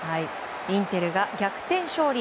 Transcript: インテルが逆転勝利。